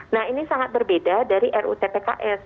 nah ini sangat berbeda dari rutpks